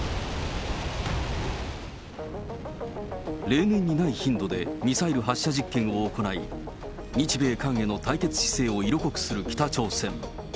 例年にない頻度でミサイル発射実験を行い、日米韓への対決姿勢を色濃くする北朝鮮。